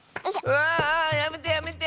うわあやめてやめて！